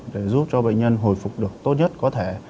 để giúp cho bệnh nhân hồi phục được tốt nhất có thể